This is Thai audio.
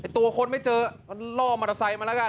ตัวคนไม่เจอก็ล่อมอเตอร์ไซค์มาแล้วกัน